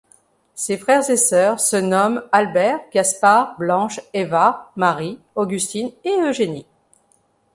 Ses frères et sœurs se nomment Albert, Gaspard, Blanche, Eva, Marie, Augustine et Eugénie.